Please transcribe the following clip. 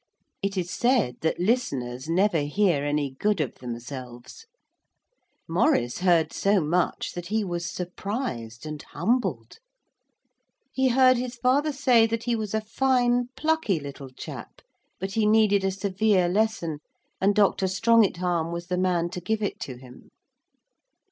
It is said that listeners never hear any good of themselves. Maurice heard so much that he was surprised and humbled. He heard his father say that he was a fine, plucky little chap, but he needed a severe lesson, and Dr. Strongitharm was the man to give it to him.